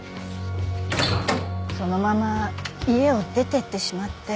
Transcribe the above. そのまま家を出てってしまって。